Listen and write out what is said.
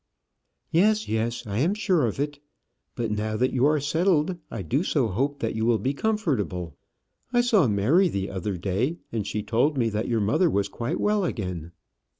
"Yes, yes, I am sure of it. But now that you are settled, I do so hope that you will be comfortable. I saw Mary the other day, and she told me that your mother was quite well again."